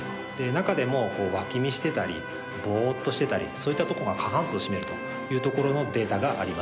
中でも脇見してたりぼっとしてたりそういったとこが過半数を占めるというところのデータがあります。